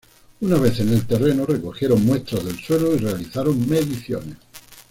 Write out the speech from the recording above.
Una vez en el terreno recogieron muestras del suelo y realizaron mediciones.